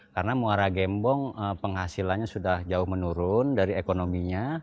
karena mora gembong penghasilannya sudah jauh menurun dari ekonominya